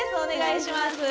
お願いします。